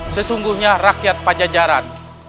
sesungguhnya rakyat pajajaran